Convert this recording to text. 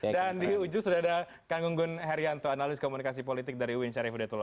dan di ujung sudah ada kang gunggun haryanto analis komunikasi politik dari uin syarif udetulo